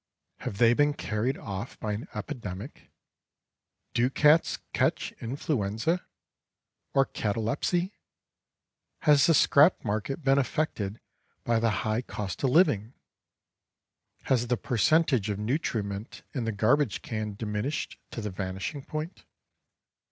Have they been carried off by an epidemic? Do cats catch influenza? or catalepsy? Has the scrap market been affected by the high cost of living? Has the percentage of nutriment in the garbage can diminished to the vanishing point?